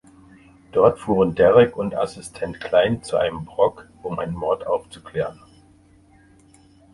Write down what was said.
Dort fuhren Derrick und Assistent Klein zu einem „Brock“, um einen Mord aufzuklären.